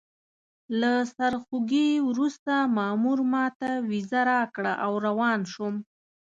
له سرخوږي وروسته مامور ماته ویزه راکړه او روان شوم.